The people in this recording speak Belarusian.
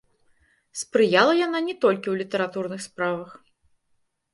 Спрыяла яна не толькі ў літаратурных справах.